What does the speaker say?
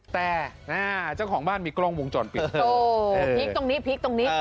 แต่เจ้าของบ้านมีกล้องวงจรปิดพลิกตรงนี้พลิกตรงนี้